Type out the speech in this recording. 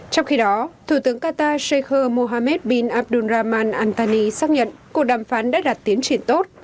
trong khi đó thủ tướng qatar sheikha mohammed bin abdulrahman antony xác nhận cuộc đàm phán đã đạt tiến triển tốt